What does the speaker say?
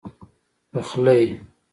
پخلی